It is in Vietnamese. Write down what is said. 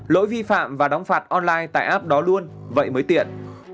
lỗi vi phạm và đóng phạt online tại app đó luôn vậy mới tiện